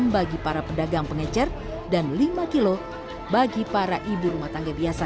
bagi para pedagang pengecer dan lima kilo bagi para ibu rumah tangga biasa